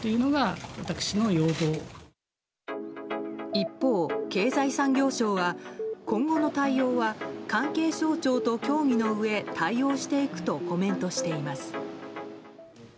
一方、経済産業省は今後の対応は関係省庁と協議のうえ対応していくとコメントしています。